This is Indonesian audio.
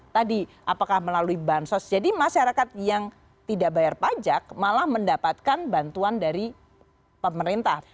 tadi apakah melalui bansos jadi masyarakat yang tidak bayar pajak malah mendapatkan bantuan dari pemerintah